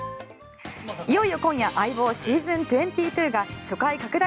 いよいよ今夜「相棒ｓｅａｓｏｎ２２」が初回拡大